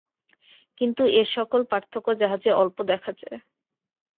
কিন্তু এ সকল পার্থক্য জাহাজে অল্প দেখা যায়।